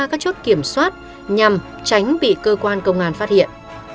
đi qua các chốt kiểm soát nhằm tránh bị cơ quan công an phát hiện